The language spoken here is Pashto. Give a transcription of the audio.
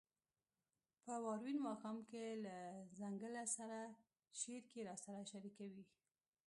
« په واورین ماښام کې له ځنګله سره» شعر کې راسره شریکوي: